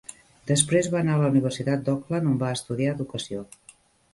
Després va anar a la Universitat d'Auckland, on va estudiar Educació.